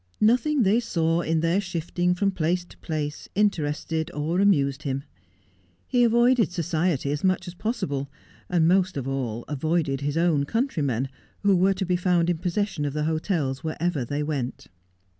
Nothing they saw in their shifting from place to place interested or amused him. He avoided society as much as possible, and most of all avoided his own countrymen, who were to be found in possession of the hotels wherever they went.